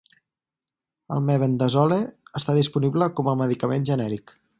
El mebendazole està disponible com a medicament genèric.